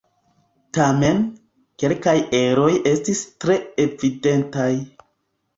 Tamen, kelkaj eroj estis tre evidentaj.